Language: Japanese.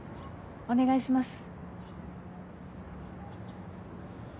お願いします。